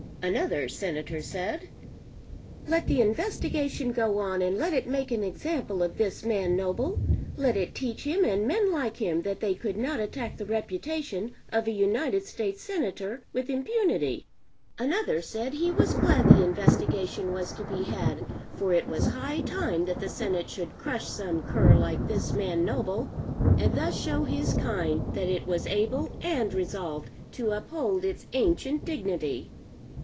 Another Senator said, "Let the investigation go on and let it make an example of this man Noble; let it teach him and men like him that they could not attack the reputation of a United States Senator with impunity." Another said he was glad the investigation was to be had, for it was high time that the Senate should crush some cur like this man Noble, and thus show his kind that it was able and resolved to uphold its ancient dignity.